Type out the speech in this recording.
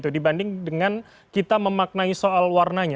dibanding dengan kita memaknai soal warnanya